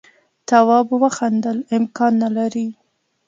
تواب وخندل امکان نه لري.